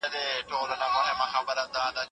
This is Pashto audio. که انلاین کتابتون وي نو پرمختګ نه دریږي.